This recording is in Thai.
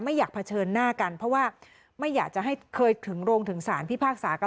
อยากเผชิญหน้ากันเพราะว่าไม่อยากจะให้เคยถึงโรงถึงสารพิพากษากัน